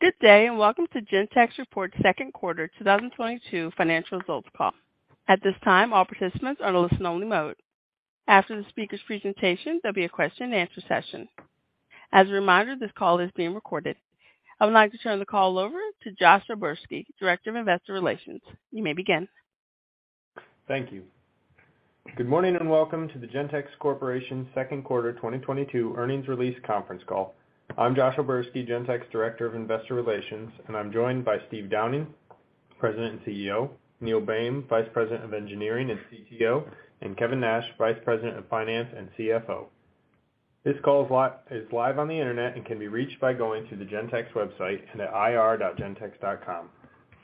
Good day, and welcome to Gentex Corp's Second Quarter 2022 Financial Results Call. At this time, all participants are in listen-only mode. After the speaker's presentation, there'll be a question-and-answer session. As a reminder, this call is being recorded. I would like to turn the call over to Josh O'Berski, Director of Investor Relations. You may begin. Thank you. Good morning, and welcome to the Gentex Corporation second quarter 2022 earnings release conference call. I'm Josh O'Berski, Director of Investor Relations, Gentex, and I'm joined by Steve Downing, President and CEO, Neil Boehm, Vice President of Engineering and CTO, and Kevin Nash, Vice President of Finance and CFO. This call is live on the Internet and can be reached by going to the Gentex website at ir.gentex.com.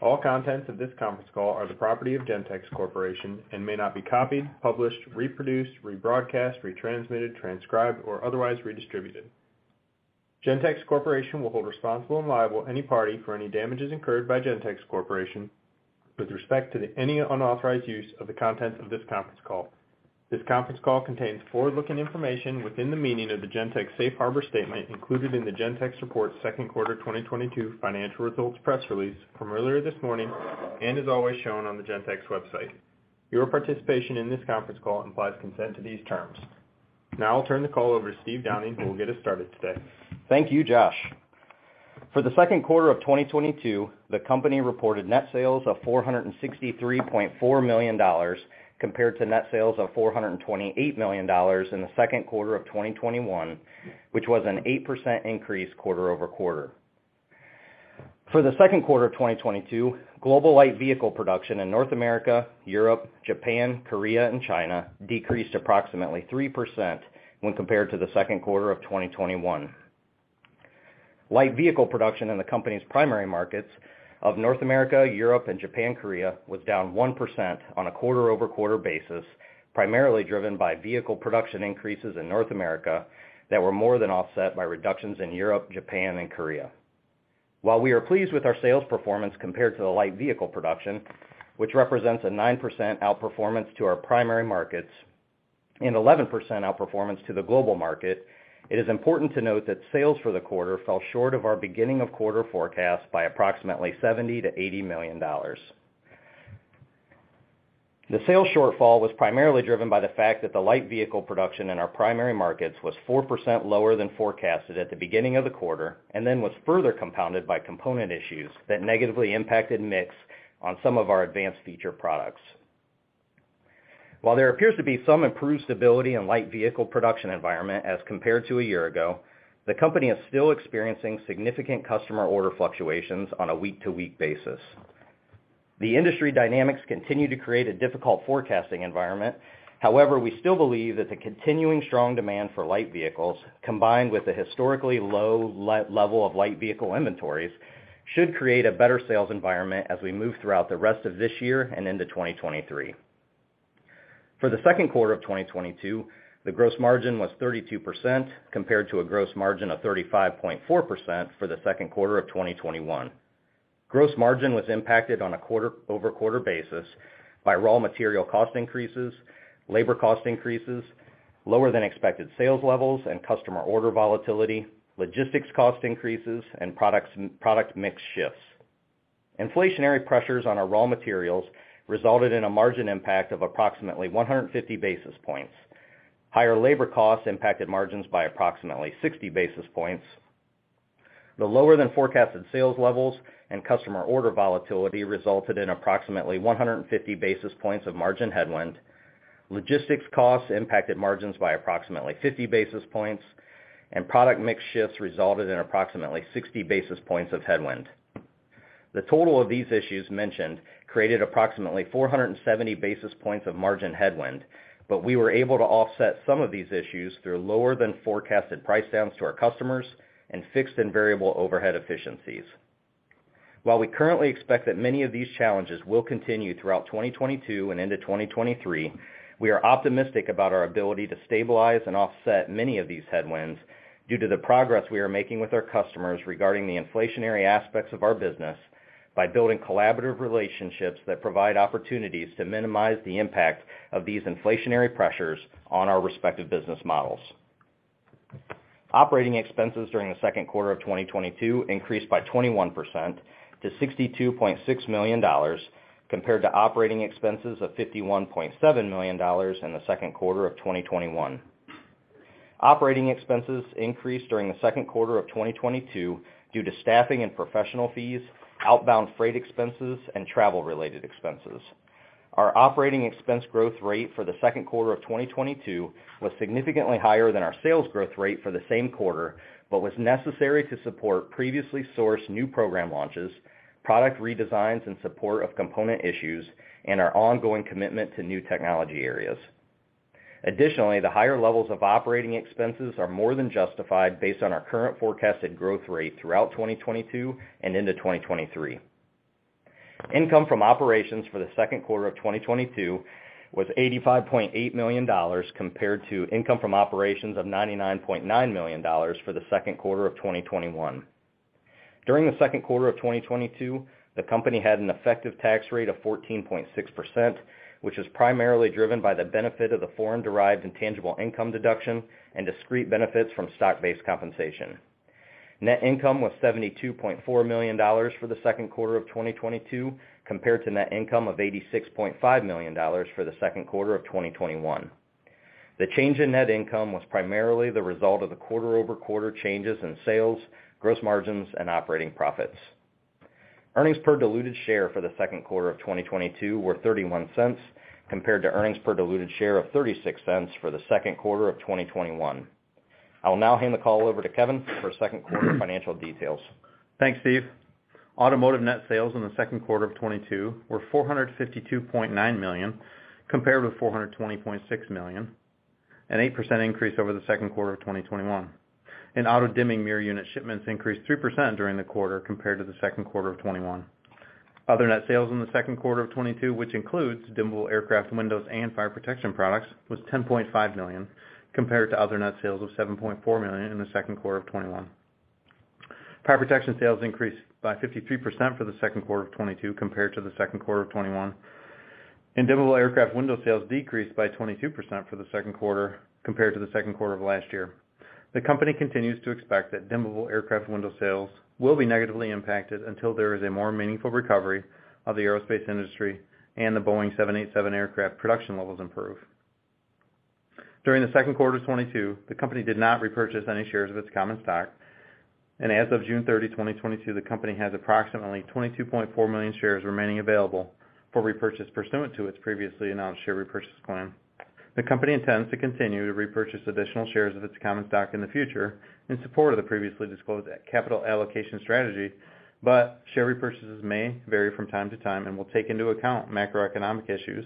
All contents of this conference call are the property of Gentex Corporation and may not be copied, published, reproduced, rebroadcast, retransmitted, transcribed, or otherwise redistributed. Gentex Corporation will hold responsible and liable any party for any damages incurred by Gentex Corporation with respect to any unauthorized use of the contents of this conference call. This conference call contains forward-looking information within the meaning of the Gentex safe harbor statement included in the Gentex report second quarter 2022 financial results press release from earlier this morning, and is always shown on the Gentex website. Your participation in this conference call implies consent to these terms. Now I'll turn the call over to Steve Downing, who will get us started today. Thank you, Josh. For the second quarter of 2022, the company reported net sales of $463.4 million compared to net sales of $428 million in the second quarter of 2021, which was an 8% increase quarter-over-quarter. For the second quarter of 2022, global light vehicle production in North America, Europe, Japan, Korea, and China decreased approximately 3% when compared to the second quarter of 2021. Light vehicle production in the company's primary markets of North America, Europe, Japan, and Korea was down 1% on a quarter-over-quarter basis, primarily driven by vehicle production increases in North America that were more than offset by reductions in Europe, Japan, and Korea. While we are pleased with our sales performance compared to the light vehicle production, which represents a 9% outperformance to our primary markets and 11% outperformance to the global market, it is important to note that sales for the quarter fell short of our beginning of quarter forecast by approximately $70 million-$80 million. The sales shortfall was primarily driven by the fact that the light vehicle production in our primary markets was 4% lower than forecasted at the beginning of the quarter, and then was further compounded by component issues that negatively impacted mix on some of our advanced feature products. While there appears to be some improved stability in light vehicle production environment as compared to a year ago, the company is still experiencing significant customer order fluctuations on a week-to-week basis. The industry dynamics continue to create a difficult forecasting environment. However, we still believe that the continuing strong demand for light vehicles, combined with the historically low level of light vehicle inventories, should create a better sales environment as we move throughout the rest of this year and into 2023. For the second quarter of 2022, the gross margin was 32% compared to a gross margin of 35.4% for the second quarter of 2021. Gross margin was impacted on a quarter-over-quarter basis by raw material cost increases, labor cost increases, lower than expected sales levels and customer order volatility, logistics cost increases, and product mix shifts. Inflationary pressures on our raw materials resulted in a margin impact of approximately 150 basis points. Higher labor costs impacted margins by approximately 60 basis points. The lower than forecasted sales levels and customer order volatility resulted in approximately 150 basis points of margin headwind. Logistics costs impacted margins by approximately 50 basis points, and product mix shifts resulted in approximately 60 basis points of headwind. The total of these issues mentioned created approximately 470 basis points of margin headwind, but we were able to offset some of these issues through lower than forecasted price downs to our customers and fixed and variable overhead efficiencies. While we currently expect that many of these challenges will continue throughout 2022 and into 2023, we are optimistic about our ability to stabilize and offset many of these headwinds due to the progress we are making with our customers regarding the inflationary aspects of our business by building collaborative relationships that provide opportunities to minimize the impact of these inflationary pressures on our respective business models. Operating expenses during the second quarter of 2022 increased by 21% to $62.6 million compared to operating expenses of $51.7 million in the second quarter of 2021. Operating expenses increased during the second quarter of 2022 due to staffing and professional fees, outbound freight expenses, and travel related expenses. Our operating expense growth rate for the second quarter of 2022 was significantly higher than our sales growth rate for the same quarter, but was necessary to support previously sourced new program launches, product redesigns and support of component issues, and our ongoing commitment to new technology areas. Additionally, the higher levels of operating expenses are more than justified based on our current forecasted growth rate throughout 2022 and into 2023. Income from operations for the second quarter of 2022 was $85.8 million compared to income from operations of $99.9 million for the second quarter of 2021. During the second quarter of 2022, the company had an effective tax rate of 14.6%, which is primarily driven by the benefit of the Foreign-Derived Intangible Income deduction and discrete benefits from stock-based compensation. Net income was $72.4 million for the second quarter of 2022 compared to net income of $86.5 million for the second quarter of 2021. The change in net income was primarily the result of the quarter-over-quarter changes in sales, gross margins, and operating profits. Earnings per diluted share for the second quarter of 2022 were $0.31 compared to earnings per diluted share of $0.36 for the second quarter of 2021. I will now hand the call over to Kevin for second quarter financial details. Thanks, Steve. Automotive net sales in the second quarter of 2022 were $452.9 million compared with $420.6 million, an 8% increase over the second quarter of 2021. Auto-dimming mirror unit shipments increased 3% during the quarter compared to the second quarter of 2021. Other net sales in the second quarter of 2022, which includes dimmable aircraft windows and fire protection products, was $10.5 million compared to other net sales of $7.4 million in the second quarter of 2021. Fire protection sales increased by 53% for the second quarter of 2022 compared to the second quarter of 2021. Dimmable aircraft window sales decreased by 22% for the second quarter compared to the second quarter of last year. The company continues to expect that dimmable aircraft window sales will be negatively impacted until there is a more meaningful recovery of the aerospace industry and the Boeing 787 aircraft production levels improve. During the second quarter of 2022, the company did not repurchase any shares of its common stock. As of June 30, 2022, the company has approximately 22.4 million shares remaining available for repurchase pursuant to its previously announced share repurchase plan. The company intends to continue to repurchase additional shares of its common stock in the future in support of the previously disclosed capital allocation strategy, but share repurchases may vary from time to time and will take into account macroeconomic issues,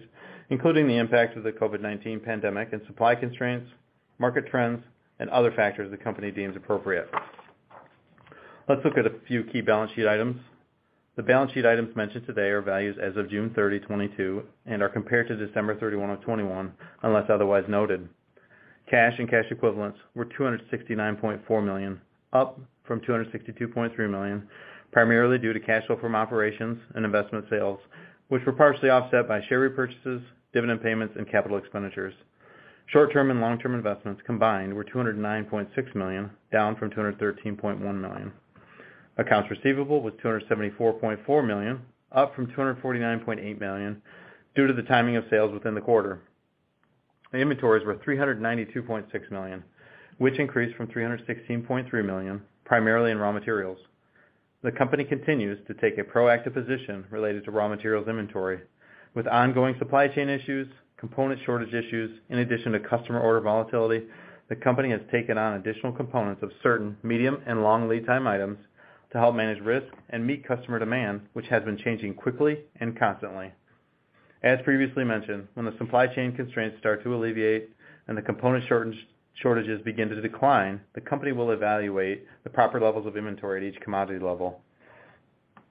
including the impacts of the COVID-19 pandemic and supply constraints, market trends, and other factors the company deems appropriate. Let's look at a few key balance sheet items. The balance sheet items mentioned today are values as of June 30, 2022, and are compared to December 31, 2021, unless otherwise noted. Cash and cash equivalents were $269.4 million, up from $262.3 million, primarily due to cash flow from operations and investment sales, which were partially offset by share repurchases, dividend payments, and capital expenditures. Short-term and long-term investments combined were $209.6 million, down from $213.1 million. Accounts receivable was $274.4 million, up from $249.8 million due to the timing of sales within the quarter. The inventories were $392.6 million, which increased from $316.3 million, primarily in raw materials. The company continues to take a proactive position related to raw materials inventory. With ongoing supply chain issues, component shortage issues, in addition to customer order volatility, the company has taken on additional components of certain medium and long lead time items to help manage risk and meet customer demand, which has been changing quickly and constantly. As previously mentioned, when the supply chain constraints start to alleviate and the component shortages begin to decline, the company will evaluate the proper levels of inventory at each commodity level.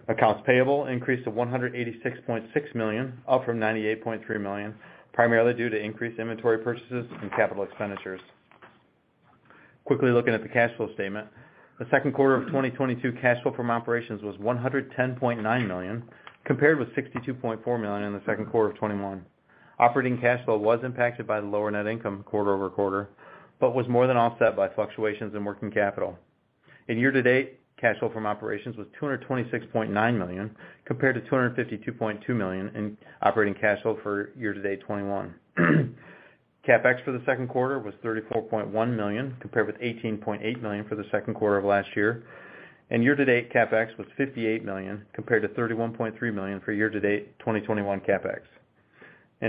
Accounts payable increased to $186.6 million, up from $98.3 million, primarily due to increased inventory purchases and capital expenditures. Quickly looking at the cash flow statement. The second quarter of 2022 cash flow from operations was $110.9 million, compared with $62.4 million in the second quarter of 2021. Operating cash flow was impacted by the lower net income quarter-over-quarter, but was more than offset by fluctuations in working capital. Year-to-date, cash flow from operations was $226.9 million, compared to $252.2 million in operating cash flow for year-to-date 2021. CapEx for the second quarter was $34.1 million, compared with $18.8 million for the second quarter of last year. Year-to-date CapEx was $58 million, compared to $31.3 million for year-to-date 2021 CapEx.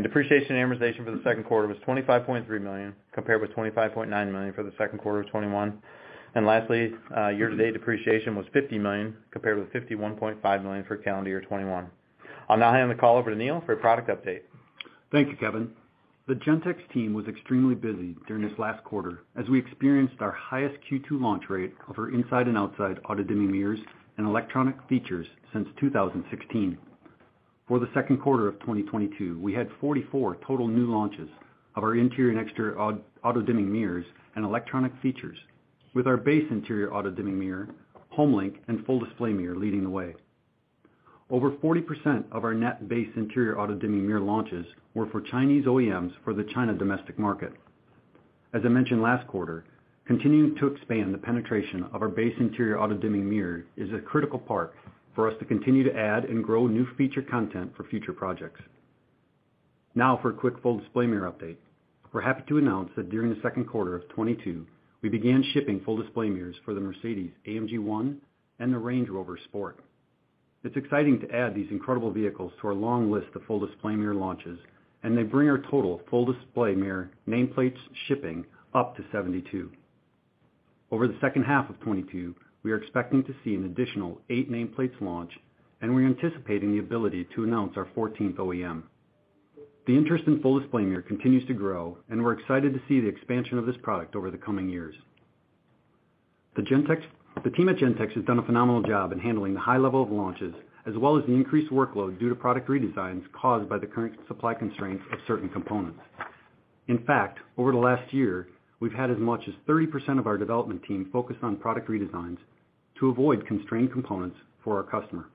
Depreciation and amortization for the second quarter was $25.3 million, compared with $25.9 million for the second quarter of 2021. Lastly, year-to-date depreciation was $50 million, compared with $51.5 million for calendar year 2021. I'll now hand the call over to Neil Boehm for a product update. Thank you, Kevin. The Gentex team was extremely busy during this last quarter as we experienced our highest Q2 launch rate of our inside and outside auto-dimming mirrors and electronic features since 2016. For the second quarter of 2022, we had 44 total new launches of our interior and exterior auto-dimming mirrors and electronic features with our base interior auto-dimming mirror, HomeLink, and Full Display Mirror leading the way. Over 40% of our net base interior auto-dimming mirror launches were for Chinese OEMs for the China domestic market. As I mentioned last quarter, continuing to expand the penetration of our base interior auto-dimming mirror is a critical part for us to continue to add and grow new feature content for future projects. Now for a quick Full Display Mirror update. We're happy to announce that during the second quarter of 2022, we began shipping Full Display Mirrors for the Mercedes-AMG ONE and the Range Rover Sport. It's exciting to add these incredible vehicles to our long list of Full Display Mirror launches, and they bring our total Full Display Mirror nameplates shipping up to 72. Over the second half of 2022, we are expecting to see an additional eight nameplates launch, and we're anticipating the ability to announce our 14th OEM. The interest in Full Display Mirror continues to grow, and we're excited to see the expansion of this product over the coming years. The team at Gentex has done a phenomenal job in handling the high level of launches, as well as the increased workload due to product redesigns caused by the current supply constraints of certain components. In fact, over the last year, we've had as much as 30% of our development team focused on product redesigns to avoid constrained components for our customer.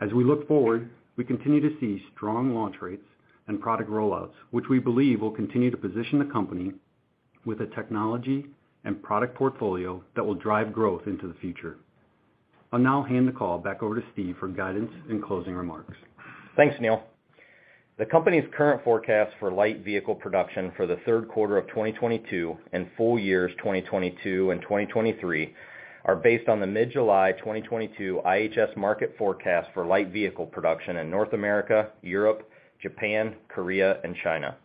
As we look forward, we continue to see strong launch rates and product rollouts, which we believe will continue to position the company with a technology and product portfolio that will drive growth into the future. I'll now hand the call back over to Steve for guidance and closing remarks. Thanks, Neil. The company's current forecast for light vehicle production for the third quarter of 2022 and full years 2022 and 2023 are based on the mid-July 2022 IHS Markit forecast for light vehicle production in North America, Europe, Japan, Korea, and China.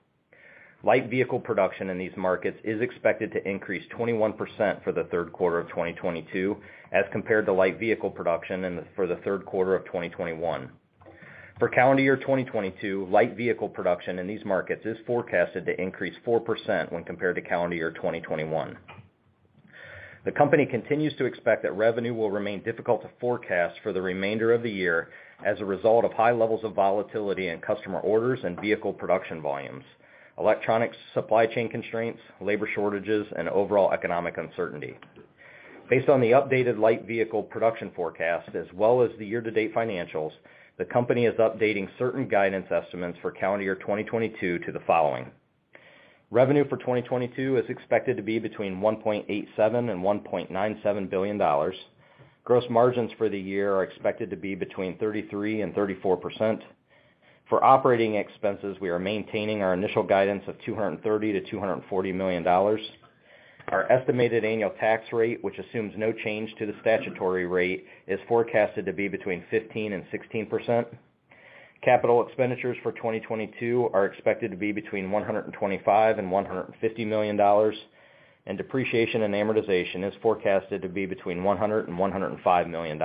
Light vehicle production in these markets is expected to increase 21% for the third quarter of 2022 as compared to light vehicle production for the third quarter of 2021. For calendar year 2022, light vehicle production in these markets is forecasted to increase 4% when compared to calendar year 2021. The company continues to expect that revenue will remain difficult to forecast for the remainder of the year as a result of high levels of volatility in customer orders and vehicle production volumes, electronics supply chain constraints, labor shortages, and overall economic uncertainty. Based on the updated light vehicle production forecast as well as the year-to-date financials, the company is updating certain guidance estimates for calendar year 2022 to the following. Revenue for 2022 is expected to be between $1.87 billion and $1.97 billion. Gross margins for the year are expected to be between 33% and 34%. For operating expenses, we are maintaining our initial guidance of $230 million-$240 million. Our estimated annual tax rate, which assumes no change to the statutory rate, is forecasted to be between 15% and 16%. Capital expenditures for 2022 are expected to be between $125 million and $150 million, and depreciation and amortization is forecasted to be between $100 million and $105 million.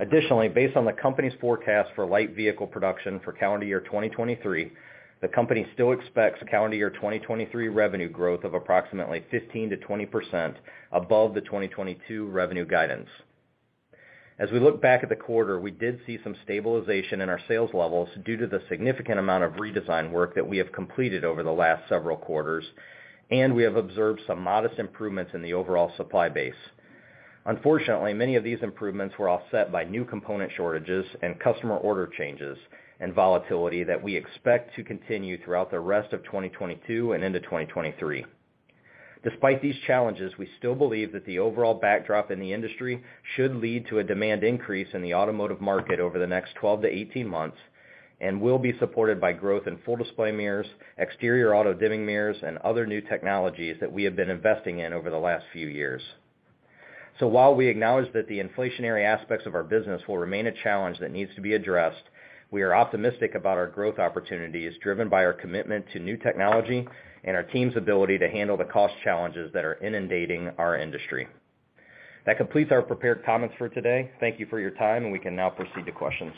Additionally, based on the company's forecast for light vehicle production for calendar year 2023, the company still expects calendar year 2023 revenue growth of approximately 15%-20% above the 2022 revenue guidance. As we look back at the quarter, we did see some stabilization in our sales levels due to the significant amount of redesign work that we have completed over the last several quarters, and we have observed some modest improvements in the overall supply base. Unfortunately, many of these improvements were offset by new component shortages and customer order changes and volatility that we expect to continue throughout the rest of 2022 and into 2023. Despite these challenges, we still believe that the overall backdrop in the industry should lead to a demand increase in the automotive market over the next 12-18 months and will be supported by growth in full display mirrors, exterior auto-dimming mirrors, and other new technologies that we have been investing in over the last few years. While we acknowledge that the inflationary aspects of our business will remain a challenge that needs to be addressed, we are optimistic about our growth opportunities driven by our commitment to new technology and our team's ability to handle the cost challenges that are inundating our industry. That completes our prepared comments for today. Thank you for your time, and we can now proceed to questions.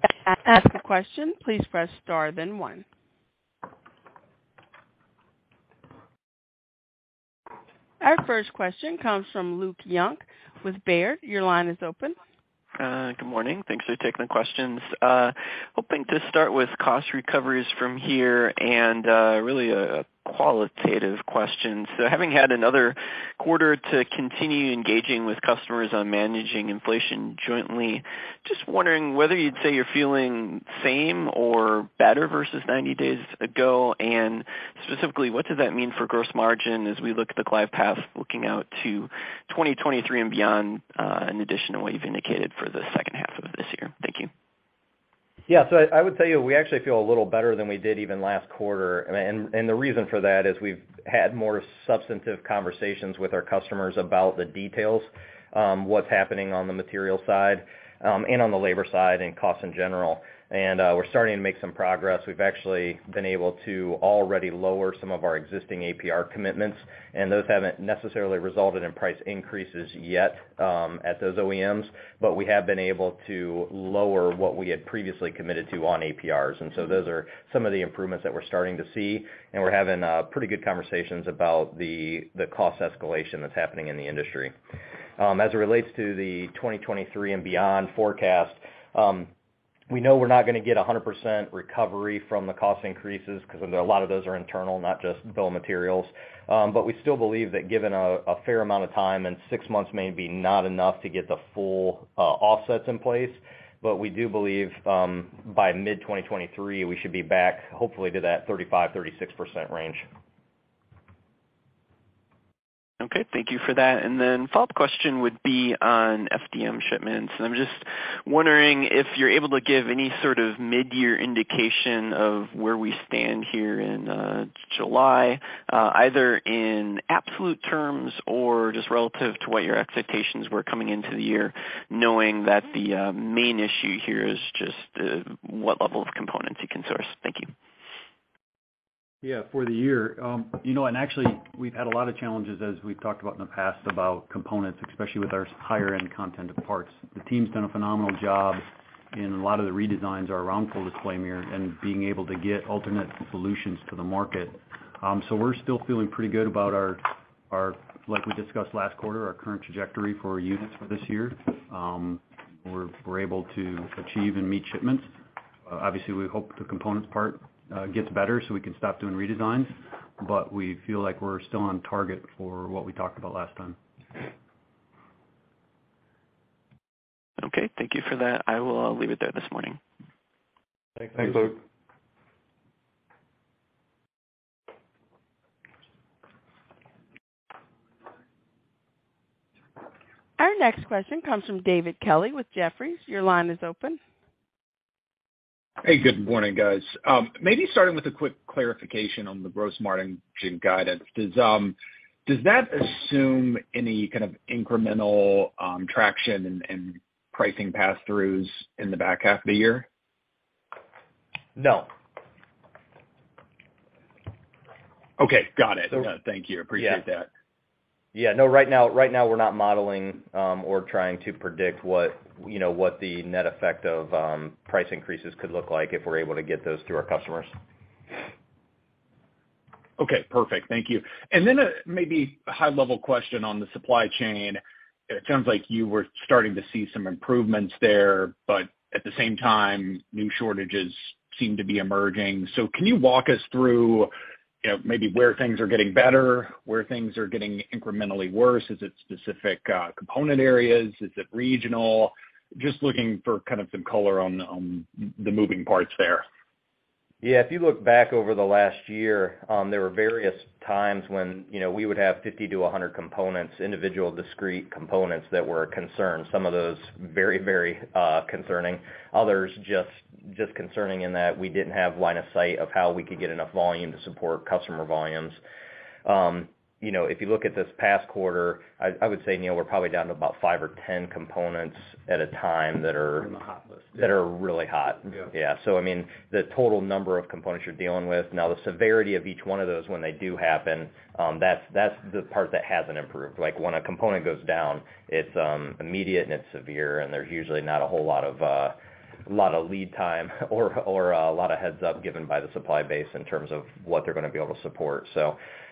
To ask a question, please press star then one. Our first question comes from Luke Junk with Baird. Your line is open. Good morning. Thanks for taking the questions. Hoping to start with cost recoveries from here and, really a qualitative question. Having had another quarter to continue engaging with customers on managing inflation jointly, just wondering whether you'd say you're feeling same or better versus 90 days ago. Specifically, what does that mean for gross margin as we look at the glide path looking out to 2023 and beyond, in addition to what you've indicated for the second half of this year? Thank you. Yeah. I would tell you, we actually feel a little better than we did even last quarter. The reason for that is we've had more substantive conversations with our customers about the details, what's happening on the material side, and on the labor side and costs in general. We're starting to make some progress. We've actually been able to already lower some of our existing APR commitments, and those haven't necessarily resulted in price increases yet, at those OEMs, but we have been able to lower what we had previously committed to on APRs. Those are some of the improvements that we're starting to see, and we're having pretty good conversations about the cost escalation that's happening in the industry. As it relates to the 2023 and beyond forecast, we know we're not gonna get a 100% recovery from the cost increases 'cause a lot of those are internal, not just bill of materials. We still believe that given a fair amount of time, and six months may be not enough to get the full offsets in place, but we do believe by mid-2023, we should be back hopefully to that 35%-36% range. Okay. Thank you for that. Then follow-up question would be on FDM shipments. I'm just wondering if you're able to give any sort of midyear indication of where we stand here in July, either in absolute terms or just relative to what your expectations were coming into the year, knowing that the main issue here is just what level of components you can source. Thank you. Yeah, for the year. You know, actually, we've had a lot of challenges as we've talked about in the past about components, especially with our higher-end content of parts. The team's done a phenomenal job in a lot of the redesigns around Full Display Mirror and being able to get alternate solutions to the market. So we're still feeling pretty good about our, like we discussed last quarter, our current trajectory for units for this year. We're able to achieve and meet shipments. Obviously we hope the components part gets better so we can stop doing redesigns, but we feel like we're still on target for what we talked about last time. Okay. Thank you for that. I will leave it there this morning. Thanks. Thanks, Luke. Our next question comes from David Kelley with Jefferies. Your line is open. Hey, good morning, guys. Maybe starting with a quick clarification on the gross margin guidance. Does that assume any kind of incremental traction and pricing pass-throughs in the back half of the year? No. Okay. Got it. So- Thank you. Appreciate that. ... Yeah. Yeah. No, right now we're not modeling or trying to predict what, you know, what the net effect of price increases could look like if we're able to get those to our customers. Okay. Perfect. Thank you. Maybe a high level question on the supply chain. It sounds like you were starting to see some improvements there, but at the same time, new shortages seem to be emerging. Can you walk us through, you know, maybe where things are getting better, where things are getting incrementally worse? Is it specific component areas? Is it regional? Just looking for kind of some color on the moving parts there. Yeah. If you look back over the last year, there were various times when, you know, we would have 50 to 100 components, individual discrete components that were a concern. Some of those very concerning. Others just concerning in that we didn't have line of sight of how we could get enough volume to support customer volumes. You know, if you look at this past quarter, I would say, Neil, we're probably down to about five or 10 components at a time that are- On the hot list. ...that are really hot. Yeah. Yeah. I mean, the total number of components you're dealing with, now the severity of each one of those when they do happen, that's the part that hasn't improved. Like, when a component goes down, it's immediate and it's severe, and there's usually not a whole lot of lead time or a lot of heads-up given by the supply base in terms of what they're gonna be able to support.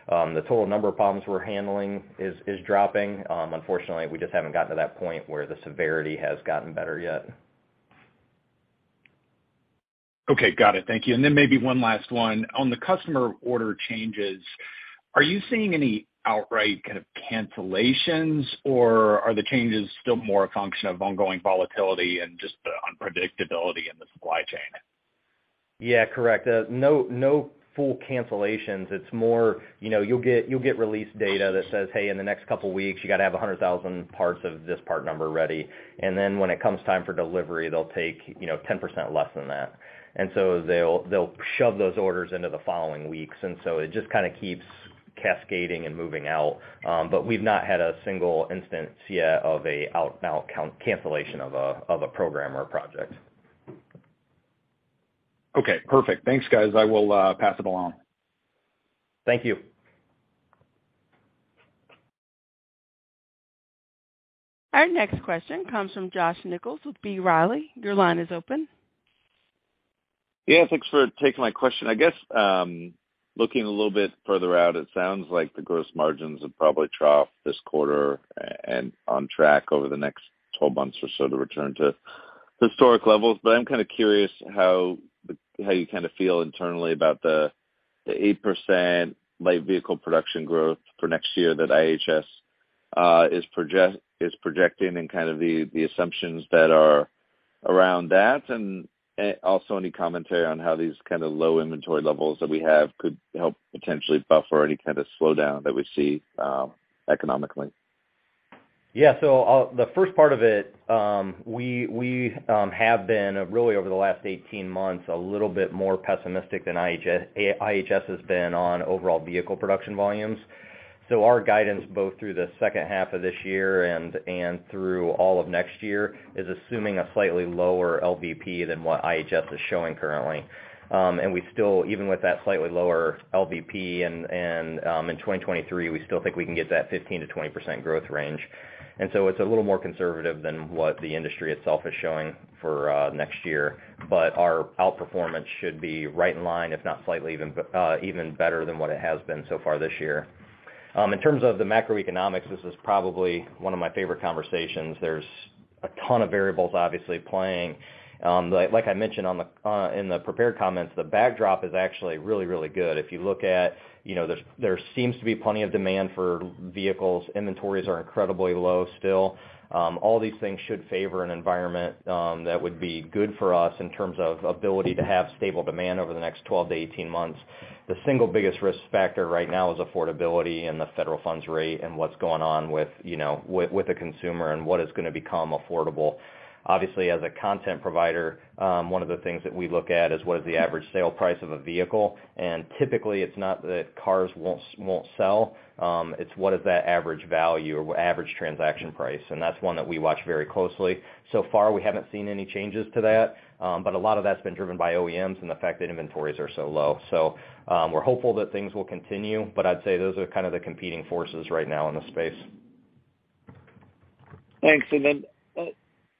The total number of problems we're handling is dropping. Unfortunately, we just haven't gotten to that point where the severity has gotten better yet. Okay. Got it. Thank you. Maybe one last one. On the customer order changes, are you seeing any outright kind of cancellations, or are the changes still more a function of ongoing volatility and just the unpredictability in the supply chain? Yeah. Correct. No full cancellations. It's more, you'll get release data that says, "Hey, in the next couple weeks, you gotta have 100,000 parts of this part number ready." Then when it comes time for delivery, they'll take 10% less than that. They'll shove those orders into the following weeks. It just kinda keeps cascading and moving out. We've not had a single instance yet of a cancellation of a program or a project. Okay. Perfect. Thanks, guys. I will pass it along. Thank you. Our next question comes from Josh Nichols with B. Riley. Your line is open. Yeah. Thanks for taking my question. I guess, looking a little bit further out, it sounds like the gross margins have probably troughed this quarter and on track over the next 12 months or so to return to historic levels. But I'm kinda curious how you kinda feel internally about the 8% light vehicle production growth for next year that IHS is projecting and kind of the assumptions that are around that. Also any commentary on how these kinda low inventory levels that we have could help potentially buffer any kinda slowdown that we see economically. The first part of it, we have been really over the last 18 months a little bit more pessimistic than IHS has been on overall vehicle production volumes. Our guidance both through the second half of this year and through all of next year is assuming a slightly lower LVP than what IHS is showing currently. We still, even with that slightly lower LVP and in 2023, we still think we can get that 15%-20% growth range. It's a little more conservative than what the industry itself is showing for next year. Our outperformance should be right in line, if not slightly even better than what it has been so far this year. In terms of the macroeconomics, this is probably one of my favorite conversations. There's a ton of variables obviously playing. Like I mentioned on the in the prepared comments, the backdrop is actually really good. If you look at, you know, there seems to be plenty of demand for vehicles. Inventories are incredibly low still. All these things should favor an environment that would be good for us in terms of ability to have stable demand over the next 12-18 months. The single biggest risk factor right now is affordability and the federal funds rate and what's going on with, you know, with the consumer and what is gonna become affordable. Obviously, as a content provider, one of the things that we look at is what is the average sale price of a vehicle. Typically, it's not that cars won't sell, it's what is that average value or average transaction price, and that's one that we watch very closely. So far we haven't seen any changes to that, but a lot of that's been driven by OEMs and the fact that inventories are so low. We're hopeful that things will continue, but I'd say those are kind of the competing forces right now in the space. Thanks. Then,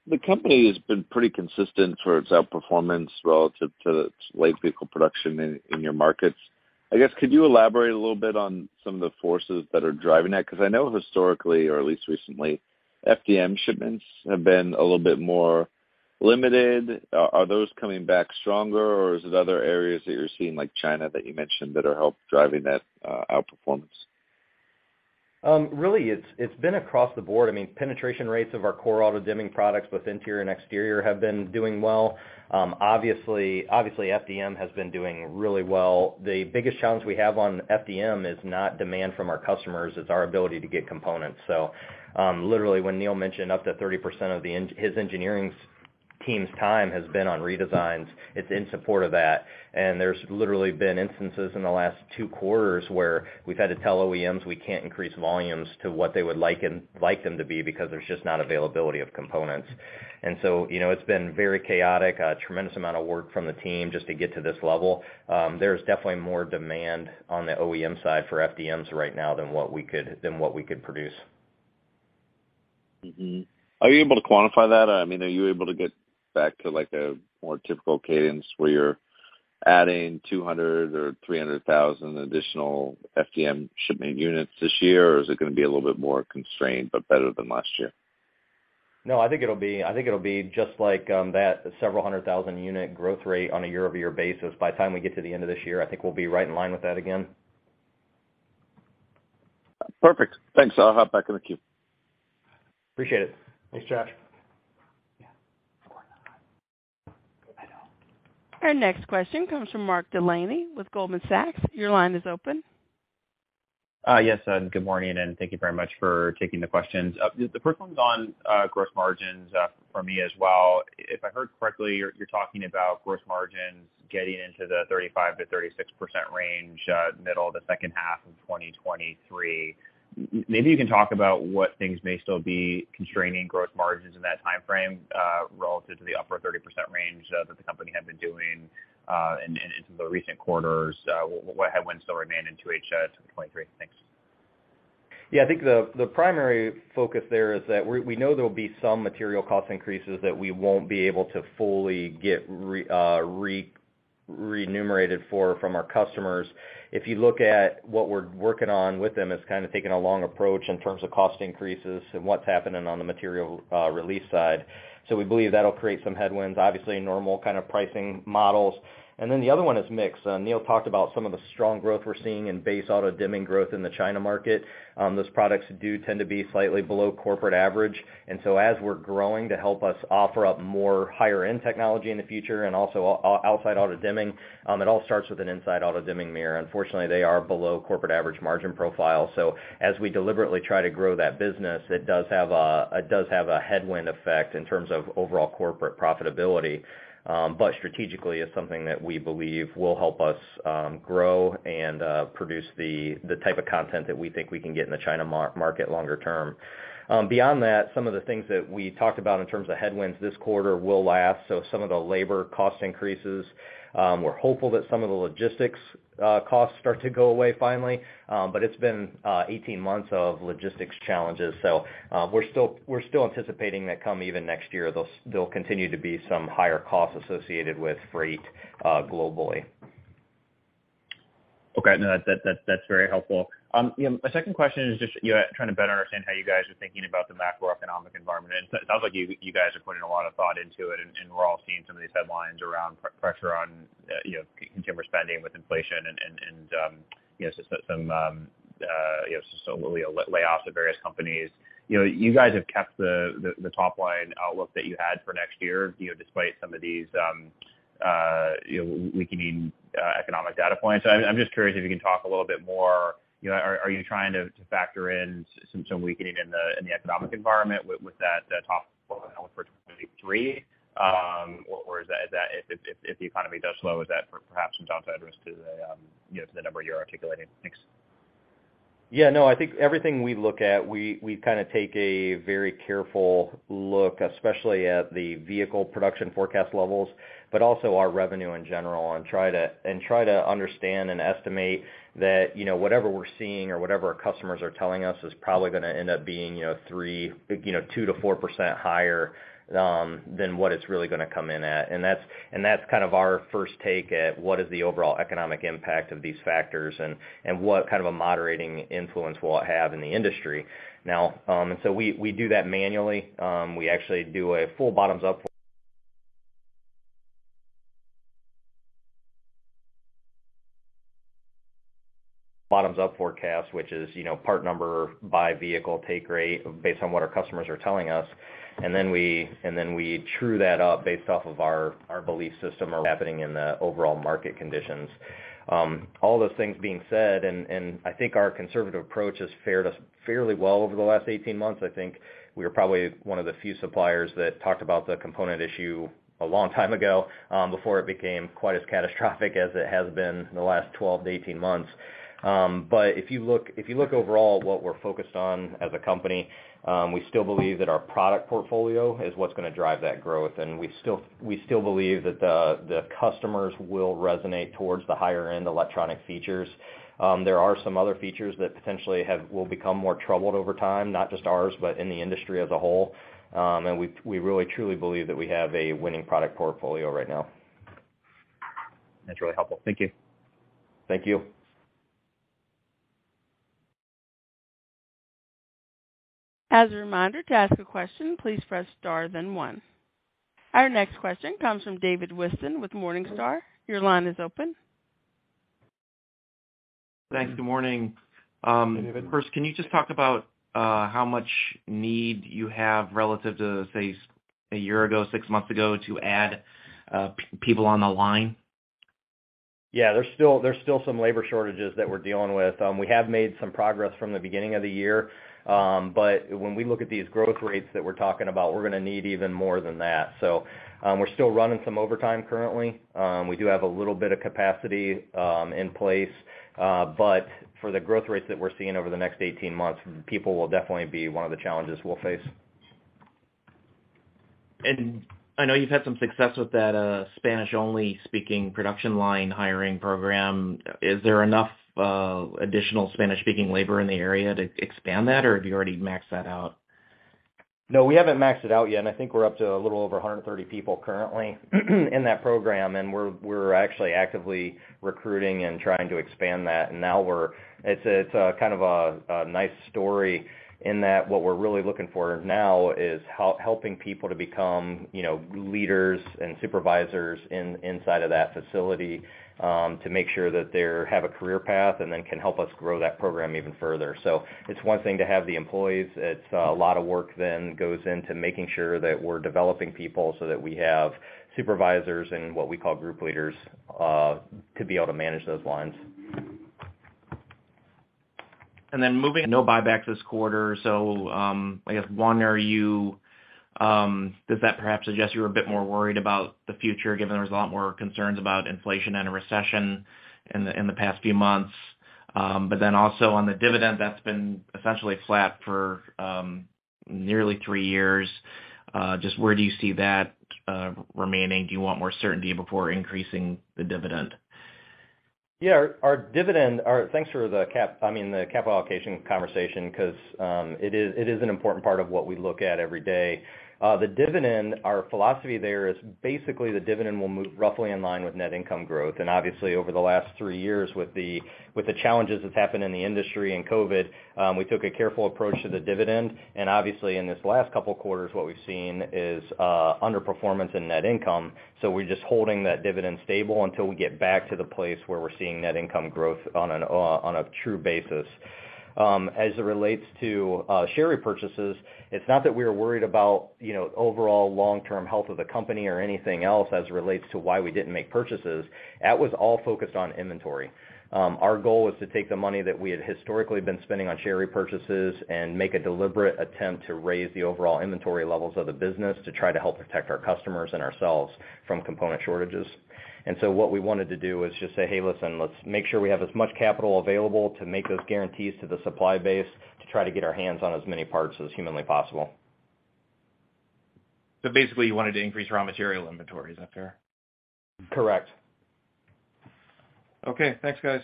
the company has been pretty consistent for its outperformance relative to its light vehicle production in your markets. I guess, could you elaborate a little bit on some of the forces that are driving that? 'Cause I know historically, or at least recently, FDM shipments have been a little bit more limited. Are those coming back stronger or is it other areas that you're seeing, like China, that you mentioned that are helping drive that outperformance? Really it's been across the board. I mean, penetration rates of our core auto-dimming products with interior and exterior have been doing well. Obviously FDM has been doing really well. The biggest challenge we have on FDM is not demand from our customers, it's our ability to get components. Literally when Neil mentioned up to 30% of his engineering team's time has been on redesigns, it's in support of that. There's literally been instances in the last two quarters where we've had to tell OEMs we can't increase volumes to what they would like them to be because there's just not availability of components. You know, it's been very chaotic, a tremendous amount of work from the team just to get to this level. There's definitely more demand on the OEM side for FDMs right now than what we could produce. Are you able to quantify that? I mean, are you able to get back to like a more typical cadence where you're adding 200,000 or 300,000 additional FDM shipment units this year? Or is it gonna be a little bit more constrained, but better than last year? No, I think it'll be just like that several hundred thousand unit growth rate on a year-over-year basis. By the time we get to the end of this year, I think we'll be right in line with that again. Perfect. Thanks. I'll hop back in the queue. Appreciate it. Thanks, Josh. Our next question comes from Mark Delaney with Goldman Sachs. Your line is open. Yes, good morning, and thank you very much for taking the questions. The first one's on gross margins for me as well. If I heard correctly, you're talking about gross margins getting into the 35%-36% range, middle of the second half of 2023. Maybe you can talk about what things may still be constraining gross margins in that timeframe, relative to the upper 30% range that the company had been doing in some of the recent quarters. What headwinds still remain in 2H 2023? Thanks. Yeah. I think the primary focus there is that we know there'll be some material cost increases that we won't be able to fully get remunerated for from our customers. If you look at what we're working on with them, it's kind of taking a long approach in terms of cost increases and what's happening on the material release side. We believe that'll create some headwinds under normal kind of pricing models. Then the other one is mix. Neil talked about some of the strong growth we're seeing in base auto-dimming growth in the China market. Those products do tend to be slightly below corporate average. As we're growing to help us offer up more higher-end technology in the future and also outside auto-dimming, it all starts with an inside auto-dimming mirror. Unfortunately, they are below corporate average margin profile. As we deliberately try to grow that business, it does have a headwind effect in terms of overall corporate profitability. Strategically, it's something that we believe will help us grow and produce the type of content that we think we can get in the China market longer term. Beyond that, some of the things that we talked about in terms of headwinds this quarter will last, so some of the labor cost increases. We're hopeful that some of the logistics costs start to go away finally. It's been 18 months of logistics challenges. We're still anticipating that come even next year, there'll continue to be some higher costs associated with freight globally. Okay. No, that's very helpful. You know, my second question is just, you know, trying to better understand how you guys are thinking about the macroeconomic environment. It sounds like you guys are putting a lot of thought into it, and we're all seeing some of these headlines around pressure on, you know, consumer spending with inflation and, you know, some lay-offs at various companies. You know, you guys have kept the top-line outlook that you had for next year, you know, despite some of these, you know, weakening economic data points. I'm just curious if you can talk a little bit more. You know, are you trying to factor in some weakening in the economic environment with that top for 2023? Or is that if the economy does slow, is that perhaps some downside risk to the, you know, to the number you're articulating? Thanks. Yeah, no. I think everything we look at, we kinda take a very careful look, especially at the vehicle production forecast levels, but also our revenue in general and try to understand and estimate that, you know, whatever we're seeing or whatever our customers are telling us is probably gonna end up being, you know, 3%, you know, 2%-4% higher than what it's really gonna come in at. That's kind of our first take at what is the overall economic impact of these factors and what kind of a moderating influence will it have in the industry. Now, we do that manually. We actually do a full bottoms-up forecast, which is, you know, part number by vehicle take rate based on what our customers are telling us. Then we true that up based off of our belief system or what's happening in the overall market conditions. All those things being said, I think our conservative approach has fared us fairly well over the last 18 months. I think we are probably one of the few suppliers that talked about the component issue a long time ago, before it became quite as catastrophic as it has been in the last 12, 18 months. If you look overall what we're focused on as a company, we still believe that our product portfolio is what's gonna drive that growth. We still believe that the customers will resonate towards the higher-end electronic features. There are some other features that potentially will become more troubled over time, not just ours, but in the industry as a whole. We really truly believe that we have a winning product portfolio right now. That's really helpful. Thank you. Thank you. As a reminder, to ask a question, please press star then one. Our next question comes from David Whiston with Morningstar. Your line is open. Thanks. Good morning. Hey, David. First, can you just talk about how much need you have relative to, say, a year ago, six months ago to add people on the line? Yeah. There's still some labor shortages that we're dealing with. We have made some progress from the beginning of the year. When we look at these growth rates that we're talking about, we're gonna need even more than that. We're still running some overtime currently. We do have a little bit of capacity in place. For the growth rates that we're seeing over the next 18 months, people will definitely be one of the challenges we'll face. I know you've had some success with that, Spanish-only speaking production line hiring program. Is there enough, additional Spanish-speaking labor in the area to expand that, or have you already maxed that out? No, we haven't maxed it out yet, and I think we're up to a little over 130 people currently in that program. We're actually actively recruiting and trying to expand that. It's a kind of nice story in that what we're really looking for now is helping people to become, you know, leaders and supervisors inside of that facility, to make sure that they have a career path, and then can help us grow that program even further. It's one thing to have the employees. It's a lot of work then goes into making sure that we're developing people so that we have supervisors and what we call group leaders, to be able to manage those lines. No buyback this quarter. I guess, one, does that perhaps suggest you're a bit more worried about the future given there's a lot more concerns about inflation and a recession in the past few months? Also on the dividend that's been essentially flat for nearly three years, just where do you see that remaining? Do you want more certainty before increasing the dividend? Yeah. Thanks for, I mean, the capital allocation conversation because it is an important part of what we look at every day. The dividend, our philosophy there is basically the dividend will move roughly in line with net income growth. Obviously over the last three years with the challenges that's happened in the industry and COVID, we took a careful approach to the dividend. Obviously in this last couple quarters, what we've seen is underperformance in net income. We're just holding that dividend stable until we get back to the place where we're seeing net income growth on a true basis. As it relates to share repurchases, it's not that we are worried about, you know, overall long-term health of the company or anything else as it relates to why we didn't make purchases. That was all focused on inventory. Our goal was to take the money that we had historically been spending on share repurchases and make a deliberate attempt to raise the overall inventory levels of the business to try to help protect our customers and ourselves from component shortages. What we wanted to do was just say, "Hey, listen, let's make sure we have as much capital available to make those guarantees to the supply base to try to get our hands on as many parts as humanly possible. Basically, you wanted to increase raw material inventory. Is that fair? Correct. Okay. Thanks, guys.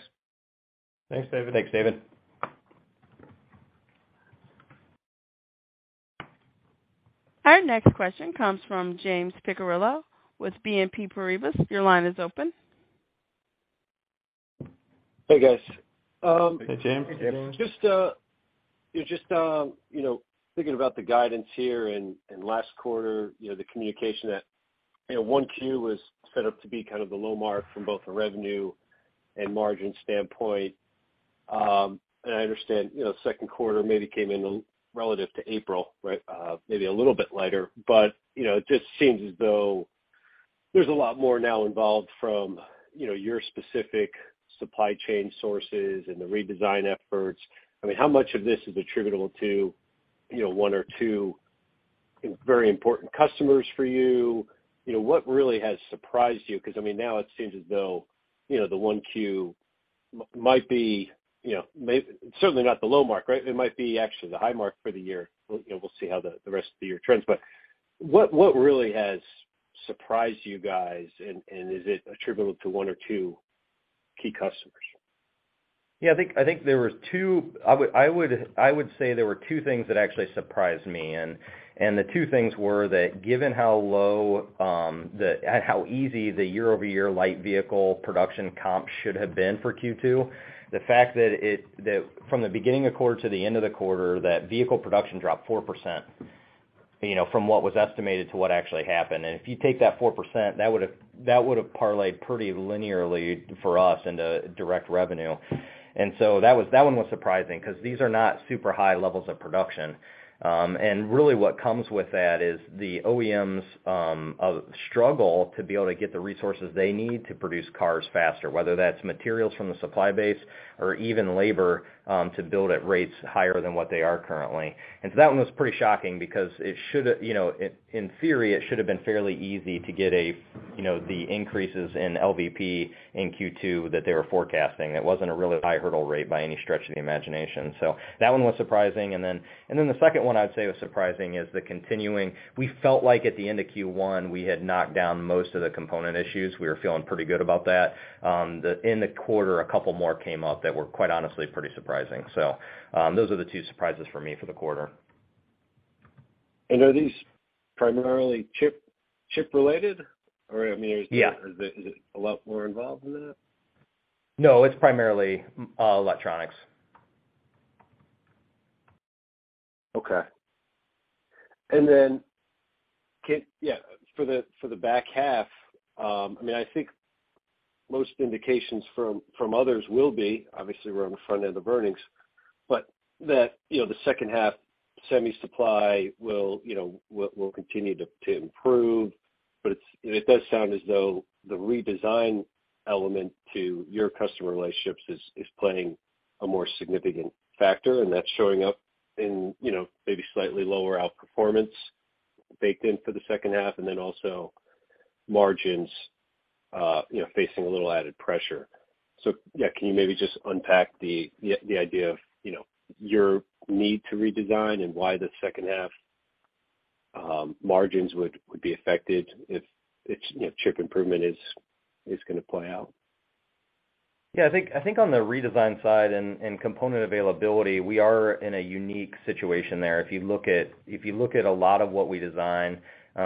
Thanks, David. Thanks, David. Our next question comes from James Picariello with BNP Paribas. Your line is open. Hey, guys. Hey, James. Hey, James. Just, you know, thinking about the guidance here and last quarter, you know, the communication that, you know, 1Q was set up to be kind of the low mark from both a revenue and margin standpoint. I understand, you know, second quarter maybe came in lighter relative to April, right, maybe a little bit lighter. It just seems as though there's a lot more now involved from, you know, your specific supply chain sources and the redesign efforts. I mean, how much of this is attributable to, you know, one or two very important customers for you? You know, what really has surprised you? Because, I mean, now it seems as though, you know, the 1Q might be, you know, certainly not the low mark, right? It might be actually the high mark for the year. Well, you know, we'll see how the rest of the year trends. What really has surprised you guys, and is it attributable to one or two key customers? Yeah, I think there were two, I would say there were two things that actually surprised me. The two things were that given how low, how easy the year-over-year light vehicle production comp should have been for Q2, the fact that from the beginning of quarter to the end of the quarter, that vehicle production dropped 4%, you know, from what was estimated to what actually happened. If you take that 4%, that would have parlayed pretty linearly for us into direct revenue. That one was surprising because these are not super high levels of production. Really what comes with that is the OEMs struggle to be able to get the resources they need to produce cars faster, whether that's materials from the supply base or even labor to build at rates higher than what they are currently. That one was pretty shocking because it should've, you know, in theory, it should have been fairly easy to get a, you know, the increases in LVP in Q2 that they were forecasting. It wasn't a really high hurdle rate by any stretch of the imagination. That one was surprising. The second one I would say was surprising is the continuing. We felt like at the end of Q1, we had knocked down most of the component issues. We were feeling pretty good about that. In the quarter, a couple more came up that were, quite honestly, pretty surprising. Those are the two surprises for me for the quarter. Are these primarily chip-related? Or I mean, is it? Yeah. Is it a lot more involved than that? No, it's primarily electronics. Okay. For the back half, I mean, I think most indications from others will be, obviously we're on the front end of earnings, but, you know, the second half semi supply will continue to improve. It does sound as though the redesign element to your customer relationships is playing a more significant factor, and that's showing up in, you know, maybe slightly lower outperformance baked in for the second half, and then also margins, you know, facing a little added pressure. Yeah, can you maybe just unpack the idea of, you know, your need to redesign and why the second half margins would be affected if, you know, chip improvement is gonna play out? Yeah, I think on the redesign side and component availability, we are in a unique situation there. If you look at a lot of what we design,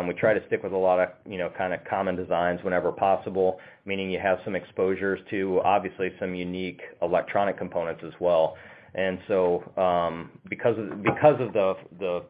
we try to stick with a lot of, you know, kind of common designs whenever possible, meaning you have some exposures to obviously some unique electronic components as well. Because of the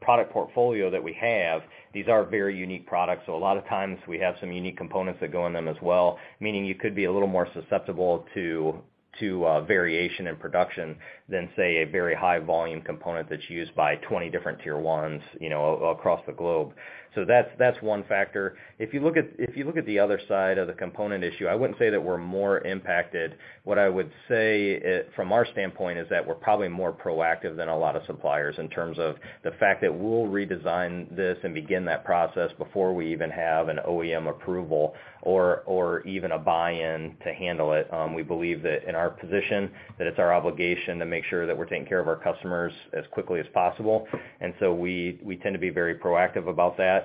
product portfolio that we have, these are very unique products. A lot of times we have some unique components that go in them as well, meaning you could be a little more susceptible to variation in production than, say, a very high volume component that's used by 20 different Tier 1s, you know, across the globe. That's one factor. If you look at the other side of the component issue, I wouldn't say that we're more impacted. What I would say from our standpoint is that we're probably more proactive than a lot of suppliers in terms of the fact that we'll redesign this and begin that process before we even have an OEM approval or even a buy-in to handle it. We believe that in our position that it's our obligation to make sure that we're taking care of our customers as quickly as possible. We tend to be very proactive about that.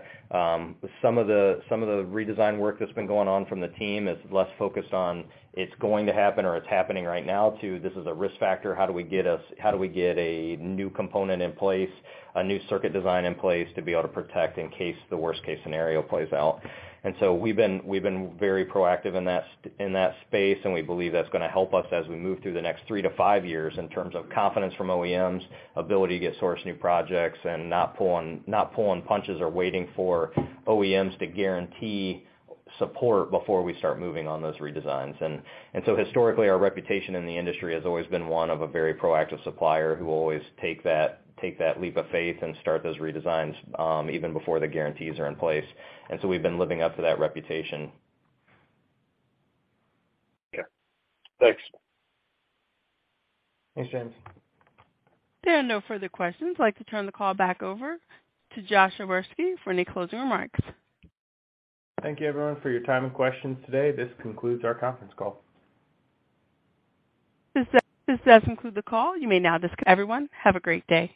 Some of the redesign work that's been going on from the team is less focused on it's going to happen or it's happening right now, to this is a risk factor, how do we get a new component in place, a new circuit design in place to be able to protect in case the worst case scenario plays out? We've been very proactive in that space, and we believe that's gonna help us as we move through the next three to five years in terms of confidence from OEMs, ability to get source new projects, and not pulling punches or waiting for OEMs to guarantee support before we start moving on those redesigns. Historically, our reputation in the industry has always been one of a very proactive supplier who will always take that leap of faith and start those redesigns, even before the guarantees are in place. We've been living up to that reputation. Yeah. Thanks. Thanks, James. There are no further questions. I'd like to turn the call back over to Josh for any closing remarks. Thank you everyone for your time and questions today. This concludes our conference call. This does conclude the call. You may now disconnect. Everyone, have a great day.